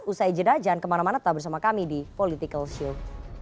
usai jeda jangan kemana mana tetap bersama kami di political show